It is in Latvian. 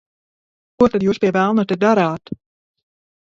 Ko tad jūs, pie velna, te darāt?